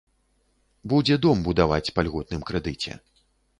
Будзе дом будаваць па льготным крэдыце.